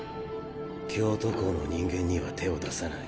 「京都校の人間には手を出さない」。